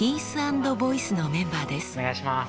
お願いします。